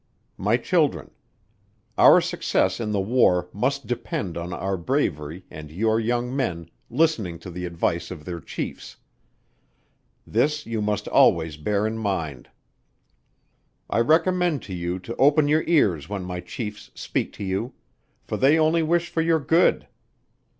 "My Children. Our success in the war must depend on our bravery and your young men listening to the advice of their chiefs this you must always bear in mind. I recommend to you to open your ears when my chiefs speak to you, for they only wish for your good.